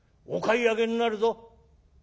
お買い上げになるぞ」。